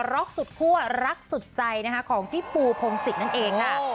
ร็อกสุดคั่วรักสุดใจนะคะของพี่ปูพงศิษย์นั่นเองค่ะ